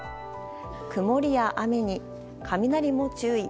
曇りや雨に、雷も注意。